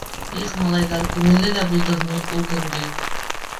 Их, малайҙар, күңелле лә булды һуң ул көндө...